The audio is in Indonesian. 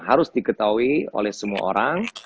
harus diketahui oleh semua orang